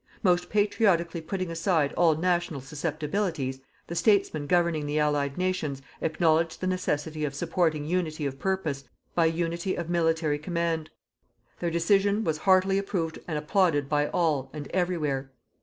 Most patriotically putting aside all national susceptibilities, the statesmen governing the Allied nations acknowledged the necessity of supporting unity of purpose by unity of military command. Their decision was heartily approved and applauded by all and every where.